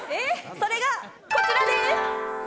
それがこちらです！